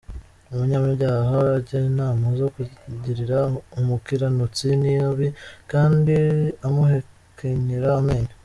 Umunyabyaha ajya inama zo kugirira umukiranutsi nabi, Kandi amuhekenyera amenyo.